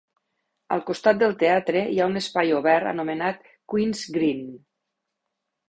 Al costat del teatre hi ha un espai obert anomenat Queen's Green.